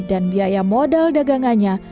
dan biaya modal dagangannya